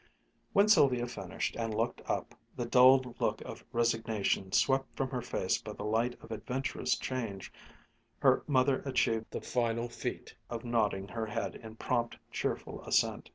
When Sylvia finished and looked up, the dulled look of resignation swept from her face by the light of adventurous change, her mother achieved the final feat of nodding her head in prompt, cheerful assent.